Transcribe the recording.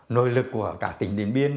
nội lực của cả tỉnh điện biên